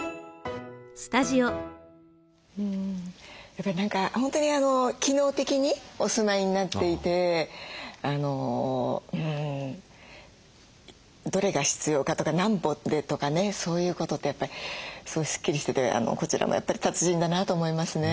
やっぱり何か本当に機能的にお住まいになっていてどれが必要かとか何歩でとかねそういうことってやっぱりすごいスッキリしててこちらもやっぱり達人だなと思いますね。